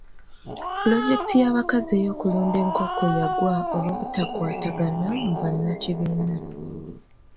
Pulojekiti y'abakazi ey'okulunda enkoko yagwa olw'obutakwatagana mu bannakibiina.